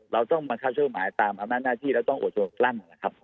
เราต้องบังคัดช่วยผู้หมาตามอำนาจหน้าที่แล้วต้องโอโชคลั่น